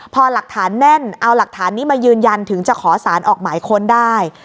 พอหลักฐานแน่นเอาหลักฐานนี้มายืนยันถึงจะขอสารออกหมายค้นได้